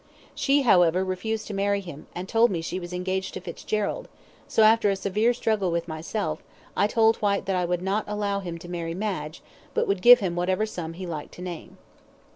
She, however, refused to marry him, and told me she was engaged to Fitzgerald, so, after a severe struggle with myself, I told Whyte that I would not allow him to marry Madge, but would give him whatever sum he liked to name.